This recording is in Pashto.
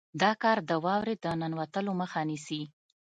دا کار د واورې د ننوتلو مخه نیسي